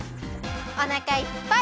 おなかいっぱい！